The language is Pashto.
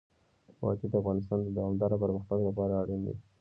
وادي د افغانستان د دوامداره پرمختګ لپاره اړین دي.